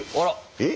えっ？